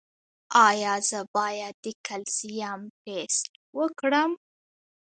ایا زه باید د کلسیم ټسټ وکړم؟